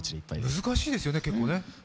難しいですよね、結構ね。